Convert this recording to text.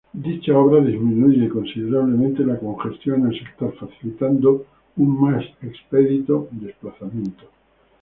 Dicha obra disminuye considerablemente la congestión en el sector, facilitando un más expedito desplazamiento.